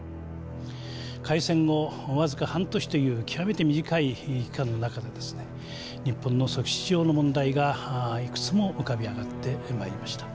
開戦後僅か半年という極めて短い期間の中で日本の組織上の問題がいくつも浮かび上がってまいりました。